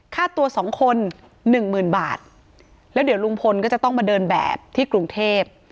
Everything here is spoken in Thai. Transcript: ค่าตัว๒คน๑๐๐๐๐บาทแล้วเดี๋ยวลุงพลก็จะต้องมาเดินแบบที่กรุงเทพฯ